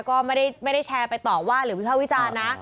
ก็ไม่ได้แชร์ไปต่อว่าหรือวิภาควิจารณ์นะ